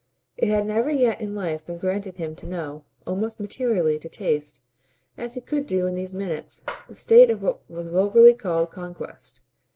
It had never yet in life been granted him to know, almost materially to taste, as he could do in these minutes, the state of what was vulgarly called conquest.